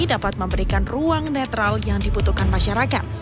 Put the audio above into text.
dapat memberikan ruang netral yang dibutuhkan masyarakat